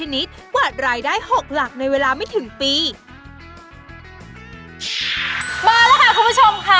มาแล้วค่ะคุณผู้ชมค่ะ